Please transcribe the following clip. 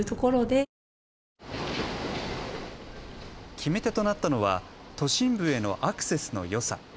決め手となったのは都心部へのアクセスのよさ。